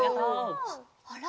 あら？